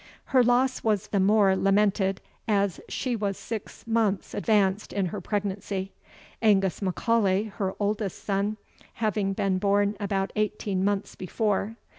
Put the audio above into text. Her loss was the more lamented, as she was six months advanced in her pregnancy; Angus M'Aulay, her eldest son, having been born about eighteen months before.